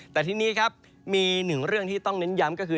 แต่ทีนี้ครับมีหนึ่งเรื่องที่ต้องเน้นย้ำก็คือ